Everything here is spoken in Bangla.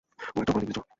ও একটা অপরাধী, বুঝেছো?